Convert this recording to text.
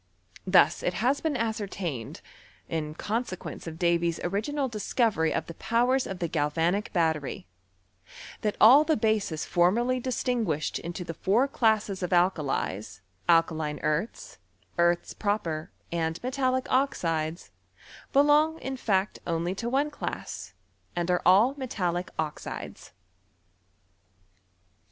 Thus it has been ascertained, in consequence of Davy's original discovery of the powers of the galvanic battery, that all the bases formerly distinguished into the four classes of alka lies, alkaline earths, earths proper, and metallic oxides, belong in fact only to one class, and are all metallic oxides.